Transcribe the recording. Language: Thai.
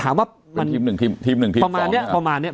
ถามว่าประมาณเนี่ย